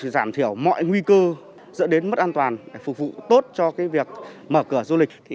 giảm thiểu mọi nguy cơ dẫn đến mất an toàn phục vụ tốt cho việc mở cửa du lịch